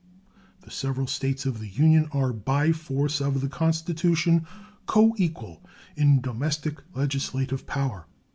The several States of the Union are by force of the Constitution coequal in domestic legislative power.